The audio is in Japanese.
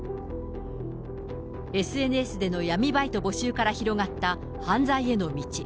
ＳＮＳでの闇バイト募集から始まった犯罪への道。